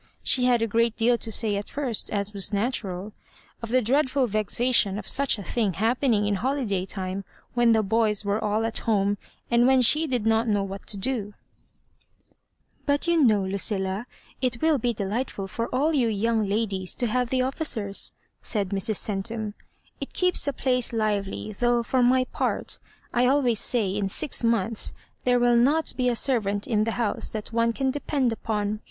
She had a great deal to say firsts as was natural, of the dreadM vexation of such a thing happening in holiday time when the boys were all at home, and when she did not know what to da *• But you know, Lucilla, it will be delightful for all you young ladies to have the officers," said Mrs. Centum; "it keeps a place lively; though,' for my part, I always say in six months there will not be a servant in the house that one can depend upon.